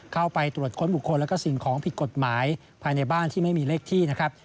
เข้าไปตรวจค้นบุคคลและสิ่งของผิดกฎหมายภายในบ้านที่ไม่มีเลขที่นะครับ